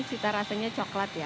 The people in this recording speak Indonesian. kita rasanya coklat ya